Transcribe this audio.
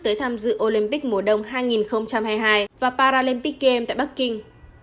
tới tham dự olympic mùa đông hai nghìn hai mươi hai và paralympic game tại bắc kinh